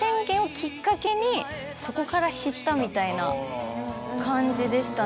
そこから知ったみたいな感じでしたね。